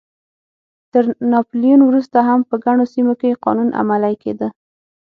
تر ناپلیون وروسته هم په ګڼو سیمو کې قانون عملی کېده.